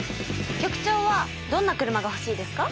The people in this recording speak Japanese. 局長はどんな車がほしいですか？